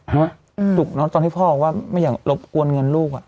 จุกตอนที่พ่อว่าไม่อยากรบกวนเงินลูก